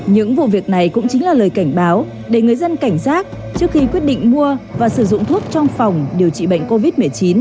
những vụ việc này cũng chính là lời cảnh báo để người dân cảnh giác trước khi quyết định mua và sử dụng thuốc trong phòng điều trị bệnh covid một mươi chín